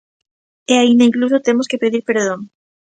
E aínda incluso temos que pedir perdón.